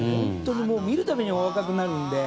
見るたびにお若くなるので。